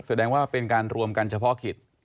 แสดงว่าเป็นการรวมกันเฉพาะกิจ